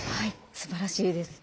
すばらしいです。